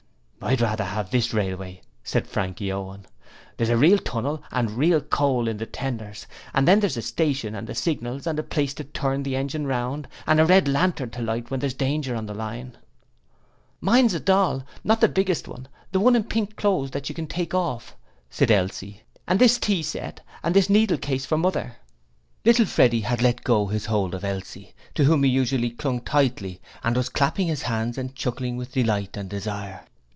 'I'd rather have this railway,' said Frankie Owen. 'There's a real tunnel and real coal in the tenders; then there's the station and the signals and a place to turn the engine round, and a red lantern to light when there's danger on the line.' 'Mine's this doll not the biggest one, the one in pink with clothes that you can take off,' said Elsie; 'and this tea set; and this needlecase for Mother.' Little Freddie had let go his hold of Elsie, to whom he usually clung tightly and was clapping his hands and chuckling with delight and desire.